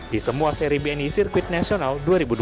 di semua seri bni sirkuit nasional dua ribu dua puluh